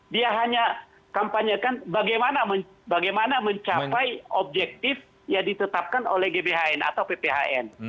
dia hanya kampanyekan bagaimana mencapai objektif yang ditetapkan oleh gbhn atau pphn